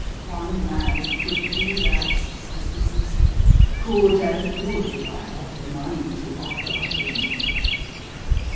One man could do that, I believe, could and would if I had the money to offer him."